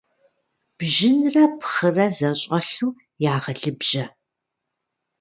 Бжьынрэ пхъырэ зэщӀэлъу ягъэлыбжьэ.